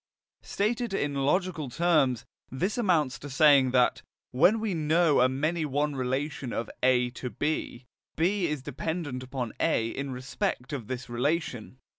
Stated in logical terms, this amounts to saying that, when we know a many one relation of A to B, B is dependent upon A in respect of this relation.